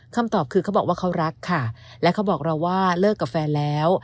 คำตอบคือเขาบอกว่าเขารักค่ะและเขาบอกเราว่าเลิกกับแฟนแล้ว